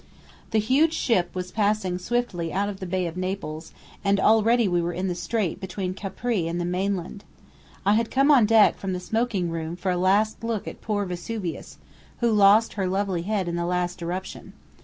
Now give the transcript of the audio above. The huge ship was passing swiftly out of the Bay of Naples, and already we were in the strait between Capri and the mainland. I had come on deck from the smoking room for a last look at poor Vesuvius, who lost her lovely head in the last eruption.